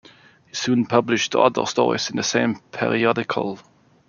He soon published other stories in the same periodical.